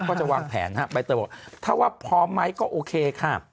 ก็จะวางแผนฮะใบเตยบอกถ้าว่าพร้อมไหมก็โอเคค่ะ